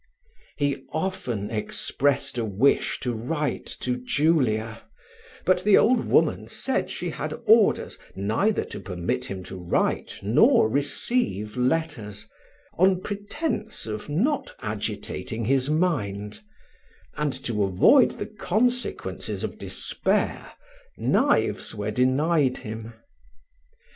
He often expressed a wish to write to Julia, but the old woman said she had orders neither to permit him to write nor receive letters on pretence of not agitating his mind; and to avoid the consequences of despair, knives were denied him.